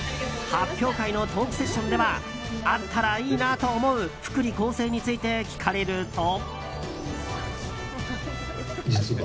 発表会のトークセッションではあったらいいなと思う福利厚生について聞かれると。